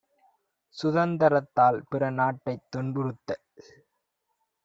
சுதந்தரத்தால் பிறநாட்டைத் துன்பு றுத்தல்!